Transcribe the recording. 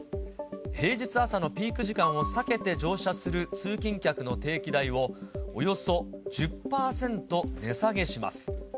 平日朝のピーク時間を避けて乗車する通勤客の定期代をおよそ１０％値下げします。